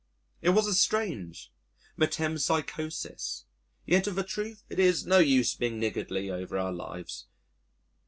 It was a strange metempsychosis. Yet of a truth it is no use being niggardly over our lives.